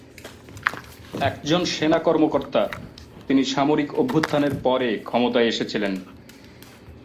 একজন সেনা কর্মকর্তা, তিনি সামরিক অভ্যুত্থানের পরে ক্ষমতায় এসেছিলেন।